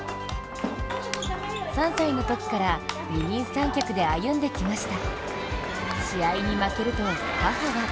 ３歳のときから二人三脚で歩んできました。